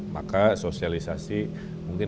maka sosialisasi mungkin